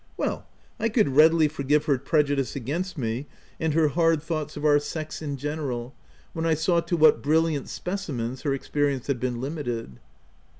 Well ! I could readily forgive her OF WILDFELL HALL. 131 prejudice against me, and her hard thoughts of our sex in general, when I saw to what brilliant specimens her experience had been limited.